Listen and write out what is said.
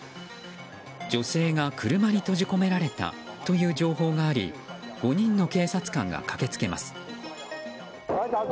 女性が車に閉じ込められたという情報があり５人の警察官が駆け付けます。